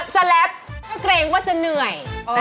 จะแรปถ้าเกรงก็จะเหนื่อย